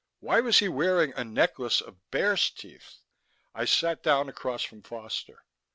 "Why was he wearing a necklace of bear's teeth?" I sat down across from Foster.